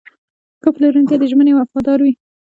ښه پلورونکی د ژمنې وفادار وي.